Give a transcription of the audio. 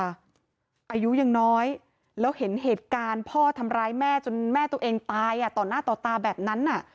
อายุยังน้อยแล้วเห็นเหตุการณ์พ่อทำร้ายแม่จนแม่ตัวเองตายต่อหน้าต่อตาแบบนั้น